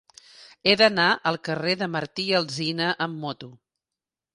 He d'anar al carrer de Martí i Alsina amb moto.